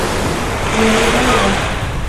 En la isla dorada.